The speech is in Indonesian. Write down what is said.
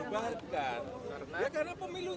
pak kalau ini acara pembubaran